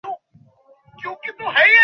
নীরস মূর্তি একটা।